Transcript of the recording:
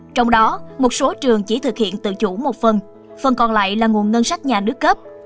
trong đó một số trường chỉ thực hiện tự chủ một phần phần còn lại là nguồn ngân sách nhà nước cấp